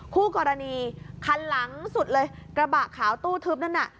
คู่กรณีคันหลังสุดเลยกระบะขาวตู้ทึบนั่นน่ะ